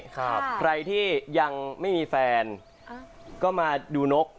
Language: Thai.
ใครที่ยังไม่มีแฟนก็มาดูนก